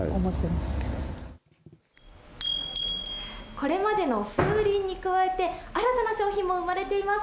これまでの風鈴に加えて新たな商品も生まれています。